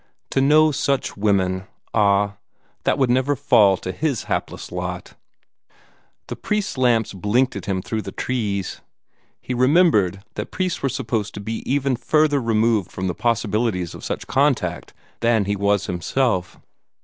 To know such women ah, that would never fall to his hapless lot. The priest's lamps blinked at him through the trees. He remembered that priests were supposed to be even further removed from the possibilities of such contact than he was himself.